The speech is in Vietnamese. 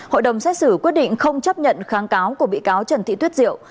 hội đồng xét xử quyết định không chấp nhận kháng cáo của bị cáo trần thị tuyết diệu